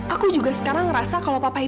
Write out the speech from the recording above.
aku juga sekarang ngerasa kalau papa itu gak adil